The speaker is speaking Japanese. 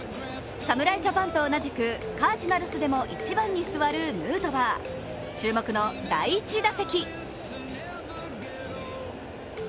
侍ジャパンと同じくカージナルスでも１番に座るヌートバー、注目の第１打席。